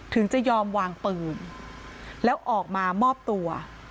ถึงจะยอมวางปืนแล้วออกมามอบตัว